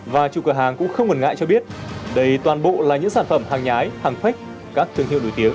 và chủ cửa hàng cũng không ngần ngại cho biết đây toàn bộ là những sản phẩm hàng nhái hàng phách các thương hiệu nổi tiếng